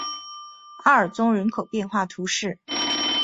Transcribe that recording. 阿尔宗人口变化图示